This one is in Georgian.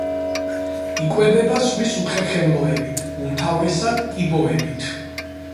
იკვებება ზღვის უხერხემლოებით, უმთავრესად კიბოებით.